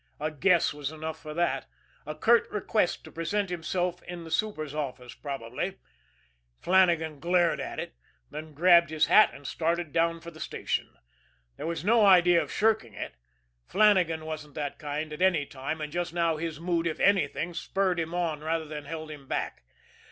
A guess was enough for that a curt request to present himself in the super's office, probably. Flannagan glared at it, then grabbed his hat, and started down for the station. There was no idea of shirking it; Flannagan wasn't that kind at any time, and just now his mood, if anything, spurred him on rather than held him back.